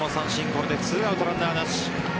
これで２アウトランナーなし。